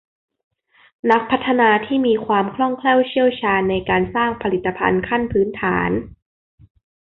นักพัฒนาที่มีความคล่องแคล่วเชี่ยวชาญในการสร้างผลิตภัณฑ์ขั้นพื้นฐาน